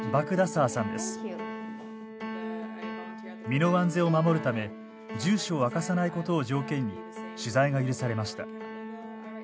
身の安全を守るため住所を明かさないことを条件に取材が許されました。